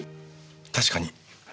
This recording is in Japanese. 確かに。